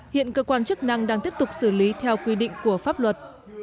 hiện cơ quan chức năng đang tiếp tục xử lý theo quy định của pháp luật